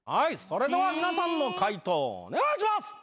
それでは皆さんの解答お願いします！